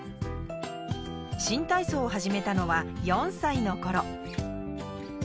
新体操を始めたのは４歳のころ。